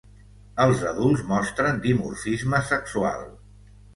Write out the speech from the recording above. Els adults mostren dimorfisme sexual.